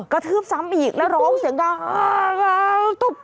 ก็ทืบซ้ำอีกแล้วโร๊ปเสียงต้อง